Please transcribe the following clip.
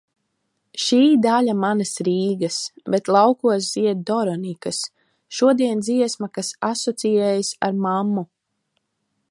Šī daļa manas Rīgas. Bet laukos zied doronikas. Šodien dziesma, kas asociējas ar mammu.